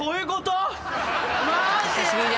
マジ？